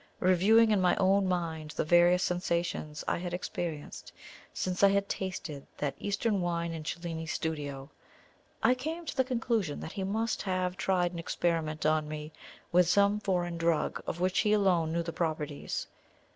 Reviewing in my own mind the various sensations I had experienced since I had tasted that Eastern wine in Cellini's studio, I came to the conclusion that he must have tried an experiment on me with some foreign drug, of which he alone knew the properties.